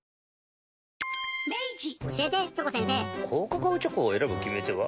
高カカオチョコを選ぶ決め手は？